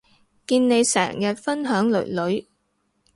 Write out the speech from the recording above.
見你成日分享囡囡